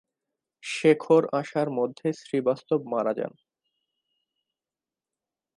শেখর আসার মধ্যেই শ্রীবাস্তব মারা যান।